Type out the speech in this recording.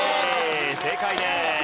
正解です。